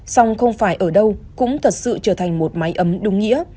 song không phải ở đâu cũng thật sự trở thành một mái ấm đúng nghĩa